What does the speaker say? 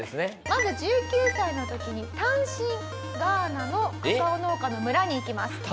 まず１９歳の時に単身ガーナのカカオ農家の村に行きます。